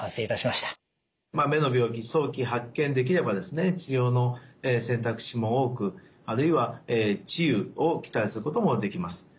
まあ目の病気早期発見できればですね治療の選択肢も多くあるいは治癒を期待することもできます。